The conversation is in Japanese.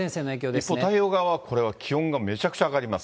一方、太平洋側は、これは気温がめちゃくちゃ上がります。